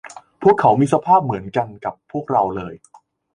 พวกเขามีสภาพเหมือนกันกับพวกเราเลย